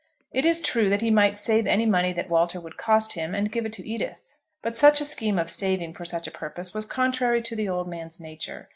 It is true that he might save any money that Walter would cost him, and give it to Edith, but such a scheme of saving for such a purpose was contrary to the old man's nature.